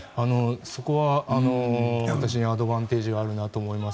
そこは私にアドバンテージがあるなと思います。